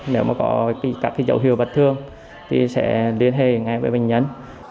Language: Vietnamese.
nếu có các dấu hiệu bật thương thì sẽ liên hệ ngay với bệnh nhân